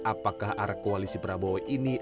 apakah arah koalisi prabowo ini